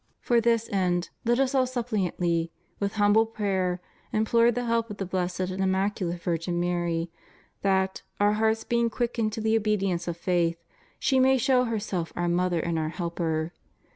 For this end let us all suppliantly, with humble prayer, implore the help of the Blessed and Immaculate Virgin Mary, that, our hearts being quickened to the obedi ence of faith, she may show herseK our mother and our :?r.elper.